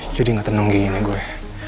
jadi gak tenang gini gue